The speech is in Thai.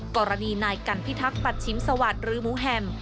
กรณีนายกันพิทักษ์ปัชชิมสวัสดิ์หรือหมูแฮม